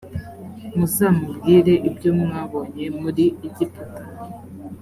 muzamubwire ibyo mwabonye muri egiputa